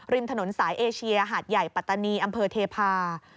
ริมถนนสายเอเชียหาดใหญ่ปัตตานีอำเภอเทพา